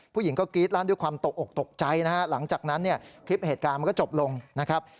ผู้หญิงก็กรี๊ดลั่นด้วยความตกอกตกใจนะฮะหลังจากนั้นเนี่ยคลิปเหตุการณ์มันก็จบลงนะครับ